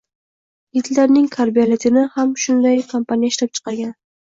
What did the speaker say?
Gitlerning kabrioletini ham aynan shu kompaniya ishlab chiqargan.